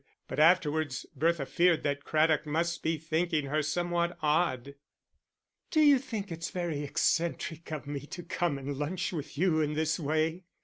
But afterwards, Bertha feared that Craddock must be thinking her somewhat odd. "D'you think it's very eccentric of me to come and lunch with you in this way?"